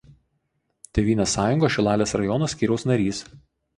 Tėvynės sąjungos Šilalės rajono skyriaus narys.